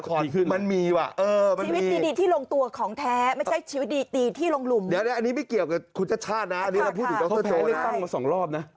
เดี๋ยวให้อันนี้ไม่เกี่ยวกับคุณชาตินะเราพูดถึงดรโจนะ